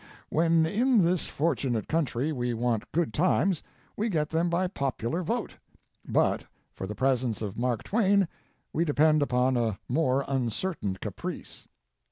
] When in this fortunate country we want good times we get them by popular vote. But, for the presence of Mark Twain, we depend upon a more uncertain caprice.